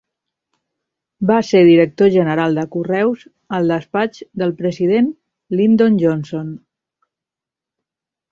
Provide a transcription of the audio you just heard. Va ser director general de Correus al despatx del president Lyndon Johnson.